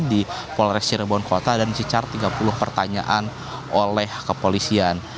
di polres cirebon kota dan dicicar tiga puluh pertanyaan oleh kepolisian